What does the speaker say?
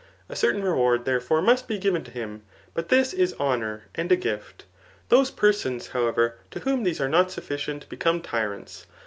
A certain reward, therefore, must be given to him ; but this is honour and ^ gift. Those persons, however, to whom these are not ^sufficient, become tyrants.